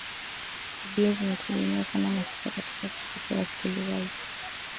redio zinategemea sana masafa katika kuwafikia wasikilizaji